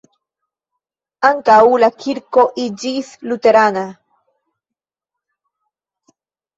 Ankaŭ la kirko iĝis luterana.